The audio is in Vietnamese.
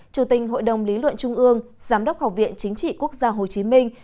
chủ tình hội đồng lý luận trung ương giám đốc học viện chính trị quốc gia hồ chí minh